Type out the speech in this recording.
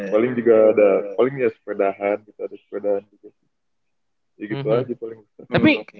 paling juga ada paling ya sepedahan kita ada sepedahan juga sih ya gitu aja paling